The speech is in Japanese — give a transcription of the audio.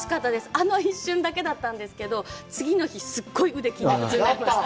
あの一瞬だけだったんですけど、次の日、すっごい腕、筋肉痛になりました。